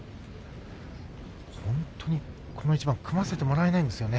本当にこの一番組ませてもらえないんですよね。